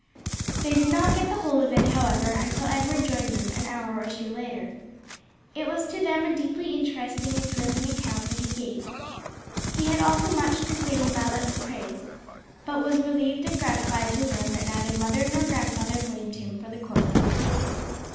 They did not get the whole of it, however, until Edward joined them, an hour or two later. It was to them a deeply interesting and thrilling account that he gave. He had also much to say in Violet's praise, but was relieved and gratified to learn that neither mother nor grandfather blamed him for the course he had taken.